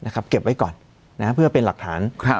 เก็บไว้ก่อนเพื่อเป็นหลักฐาน